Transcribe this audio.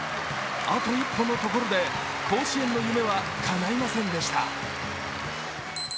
あと一歩のところで甲子園の夢はかないませんでした。